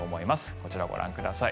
こちら、ご覧ください。